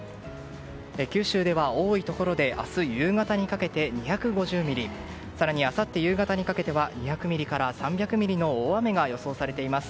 九州では多いところで明日夕方にかけて２５０ミリ更にあさって夕方にかけては２００ミリから３００ミリの大雨が予想されています。